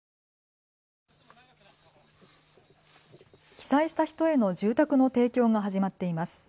被災した人への住宅の提供が始まっています。